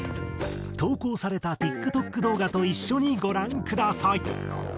投稿されたＴｉｋＴｏｋ動画と一緒にご覧ください。